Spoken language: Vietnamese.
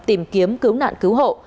tìm kiếm cứu nạn cứu hộ